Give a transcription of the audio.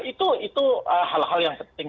itu hal hal yang penting